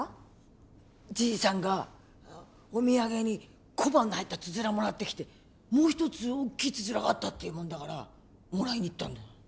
じいさんがお土産に小判が入ったつづらをもらってきて「もう一つ大きいつづらがあった」って言うもんだからもらいに行ったんだ。